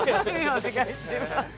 お願いします。